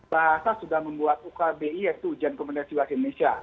bahasa sudah membuat ukbi yaitu ujian kompetensi bahasa indonesia